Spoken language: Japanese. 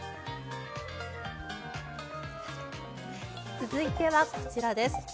続いては、こちらです。